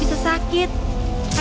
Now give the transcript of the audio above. film semacam itu